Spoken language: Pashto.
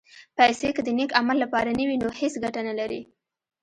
پېسې که د نېک عمل لپاره نه وي، نو هېڅ ګټه نه لري.